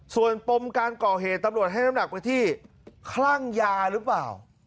ส่วนปมการก่อเหตุตำรวจให้น้ำหนักไปที่คลั่งยาหรือเปล่า